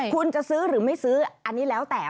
คุณจะซื้อหรือไม่ซื้ออันนี้แล้วแต่